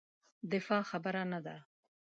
دفاع خبره نه ده.